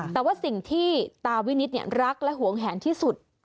แต่ว่าสิ่งที่ตาวินิตรักและหวงแหนที่สุด